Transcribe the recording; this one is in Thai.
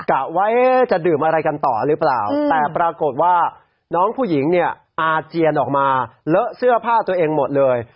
กะว่าจะดื่มอะไรกันต่อหรือเปล่าแต่ปรากฏว่าน้องผู้หญิงเนี่ยอาเจียนออกมาเลอะเสื้อผ้าตัวเองหมดเลย